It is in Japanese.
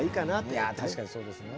いや確かにそうですね。